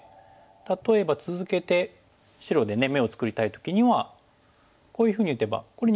例えば続けて白で眼を作りたい時にはこういうふうに打てばこれ二眼ありそうですよね。